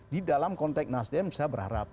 di dalam konteks nasdem saya berharap